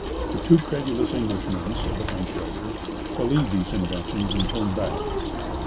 "The too credulous Englishman," says a French writer, "believed these inventions and turned back."